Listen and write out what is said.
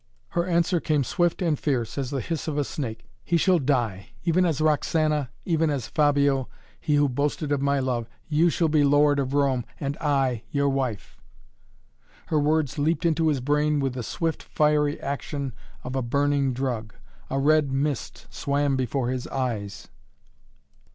Her answer came swift and fierce, as the hiss of a snake. "He shall die even as Roxana even as Fabio, he who boasted of my love! You shall be lord of Rome and I your wife " Her words leaped into his brain with the swift, fiery action of a burning drug. A red mist swam before his eyes.